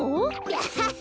アハハ！